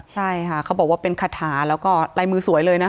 ใช่ค่ะเขาบอกว่าเป็นคาถาแล้วก็ลายมือสวยเลยนะคะ